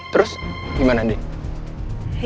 terus gimana andien